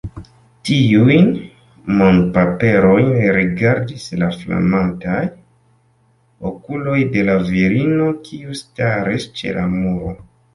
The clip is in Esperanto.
Tiujn monpaperojn rigardis la flamantaj okuloj de la virino, kiu staris ĉe la muro.